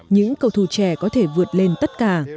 những cầu thủ trẻ có thể vượt lên tất cả